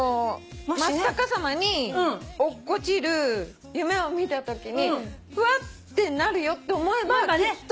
真っ逆さまに落っこちる夢を見たときにふわってなるよって思えばきっと。